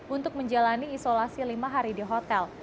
untuk menjalani isolasi lima hari di hotel